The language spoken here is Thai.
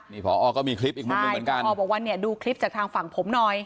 นี่พอก็มีคลิปอีกมุมหนึ่งเหมือนกันพอบอกว่าเนี่ยดูคลิปจากทางฝั่งผมหน่อย